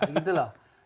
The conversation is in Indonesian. iya gitu loh